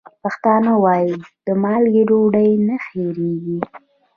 پښتانه وايي: د مالګې ډوډۍ نه هېرېږي.